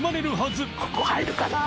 ここ入るかな？